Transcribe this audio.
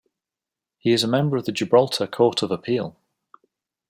He is a member of the Gibraltar Court of Appeal.